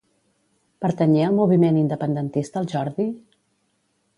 Pertanyia al moviment independentista el Jordi?